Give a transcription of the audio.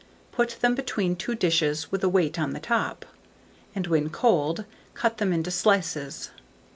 Put them between two dishes, with a weight on the top, and when cold, cut them into slices.